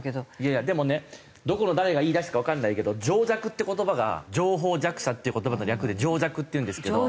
いやでもねどこの誰が言い出したかわからないけど情弱って言葉が情報弱者っていう言葉の略で情弱っていうんですけど。